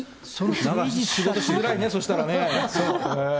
仕事しづらいね、そしたらね。